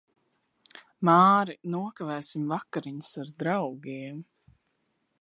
Māri, nokavēsim vakariņas ar draugiem.